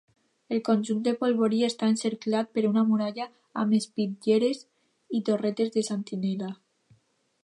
El conjunt del Polvorí està encerclat per una muralla amb espitlleres i torretes de sentinella.